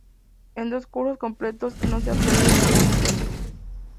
En dos cursos completos, no se ha perdido ningún encuentro.